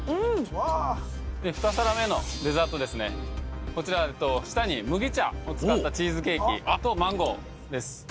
わあーで２皿目のデザートですねこちら下に麦茶を使ったチーズケーキとマンゴーです